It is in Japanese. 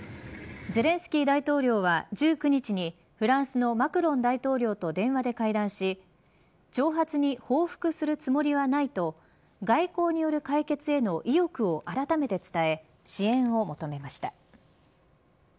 ゼレンスキー大統領は１９日にフランスのマクロン大統領と電話で会談し挑発に報復するつもりはないと外交による解決への意欲をあらためて伝え支援を求めました。